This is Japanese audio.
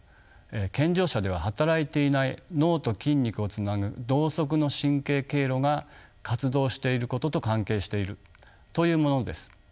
健常者では働いていない脳と筋肉をつなぐ同側の神経経路が活動していることと関係しているというものです。